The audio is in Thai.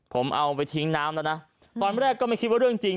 ผมเอาไปทิ้งน้ำแล้วนะตอนแรกก็ไม่คิดว่าเรื่องจริง